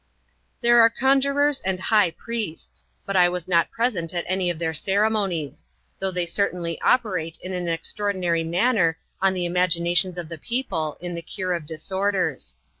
There are conjurers and high priests; but I was not pres ent at any of their ceremonies; though they certainly operate in an extraordinary manner on the imaginations of the peo ple in the cure of disorders.